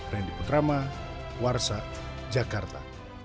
randy petrama warsa jakarta